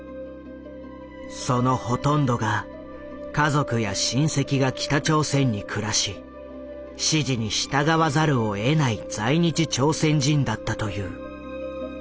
そのほとんどが家族や親戚が北朝鮮に暮らし指示に従わざるをえない在日朝鮮人だったという。